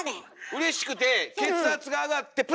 うれしくて血圧が上がってプッとこう。